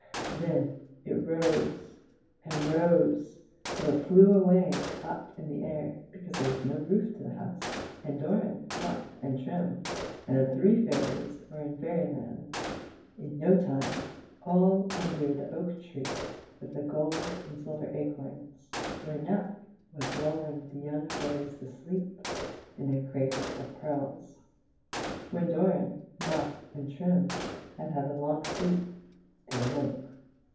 Then it rose and rose till it flew away up in the air, because tbiCre was no roof to the house, and Doran, Muff, and Trim and the three fairies were in Fairyland in no time, all under the oak tree with the gold and silver acorns, where Nap was lulling the young fairies to sleep in their cradles of pearls. When Doran, Miiff, and Trim had had a long sleep they awoke.